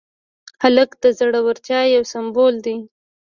هلک د زړورتیا یو سمبول دی.